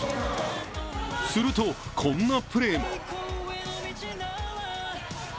すると、こんなプレーも。